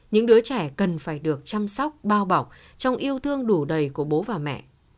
những đứa trẻ cần phải được chăm sóc bao bọc trong yêu thương đủ đầy của bố và mẹ